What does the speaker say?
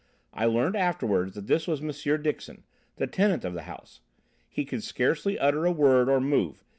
I learned afterwards that this was M. Dixon, the tenant of the house. He could scarcely utter a word or move.